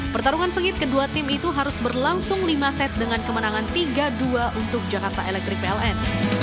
pertarungan sengit kedua tim itu harus berlangsung lima set dengan kemenangan tiga dua untuk jakarta electric pln